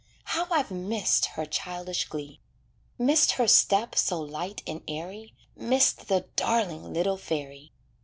How I've missed her childish glee. Missed her step so light and airy, Missed the darling little fairy.